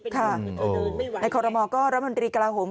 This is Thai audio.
ค่ะในคอลโรมอล์ร้านบันดีกระหลาวหงษ์